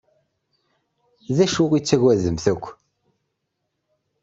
D acu i tettagademt akk?